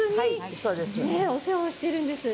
お世話をしているんですね。